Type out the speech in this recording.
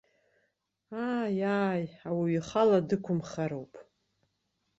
Ааи, ааи, ауаҩы ихала дықәымхароуп!